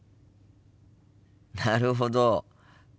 なるほど。